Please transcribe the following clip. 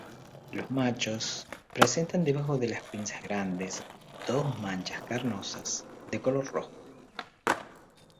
Los machos presentan debajo de las pinzas grandes dos manchas carnosas de color rojo.